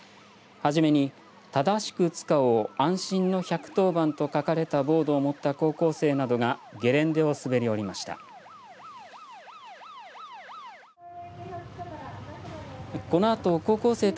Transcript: はじめに、正しく使おう安心の１１０番と書かれたボードを持った高校生などがゲレンデを滑り降りました。